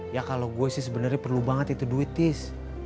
ya kalau gue sih sebenarnya perlu banget itu duit is